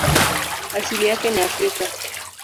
Asili yake ni Afrika.